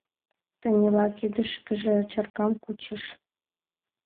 — Танила кидышкыже чаркам кучыш.